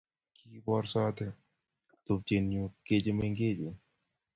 Kikiborsoti ak tupchenyu kechi mengechen